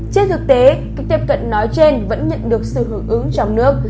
trên thực tế cách tiếp cận nói trên vẫn nhận được sự hưởng ứng trong nước